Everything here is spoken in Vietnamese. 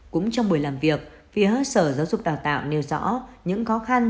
cũng trong buổi làm việc phía sở giáo dục đào tạo nêu rõ những khó khăn